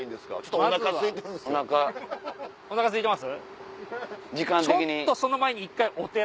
お腹すいてます？